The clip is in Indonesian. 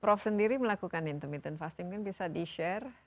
prof sendiri melakukan intermittent fasting mungkin bisa di share